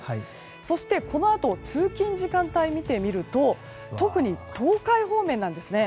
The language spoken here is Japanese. そして、このあと通勤時間帯を見てみると特に東海方面なんですね。